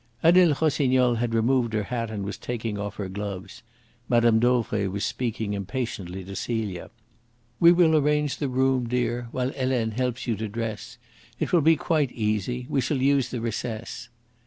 Adele Rossignol had removed her hat and was taking off her gloves. Mme. Dauvray was speaking impatiently to Celia. "We will arrange the room, dear, while Helene helps you to dress. It will be quite easy. We shall use the recess."